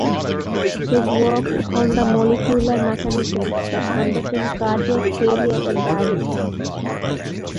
His works on the molecular mechanisms that underpin cardiac failure in diabetes.